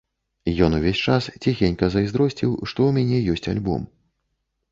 Ён увесь час ціхенька зайздросціў, што ў мяне ёсць альбом.